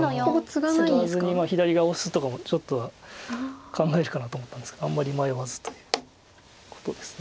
ツガずに左側オスとかもちょっとは考えるかなと思ったんですがあんまり迷わずということです。